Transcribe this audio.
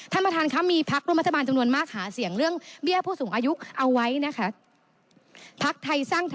ท่านประธานครับมีพักร่วมรัฐบาลจำนวนมากหาเสียงเรื่องเบี้ยผู้สูงอายุเอาไว้นะคะ